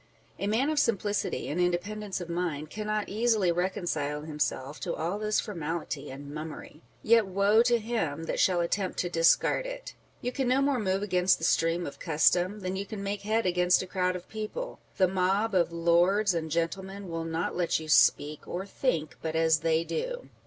A man of simplicity and independence of mind cannot easily reconcile himself to all this formality and mummery ; yet woe to him that shall attempt to discard it ! You can no more move against the stream of custom than you can make head against a crowd of people ; the mob of lords and gentlemen will not let you speak or think but as they do.